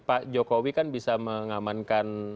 pak jokowi kan bisa mengamankan